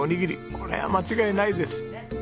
これは間違いないです。